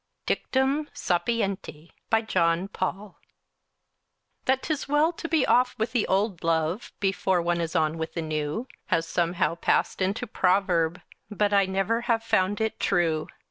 DICTUM SAPIENTI BY JOHN PAUL That 'tis well to be off with the old love Before one is on with the new Has somehow passed into a proverb, But I never have found it true.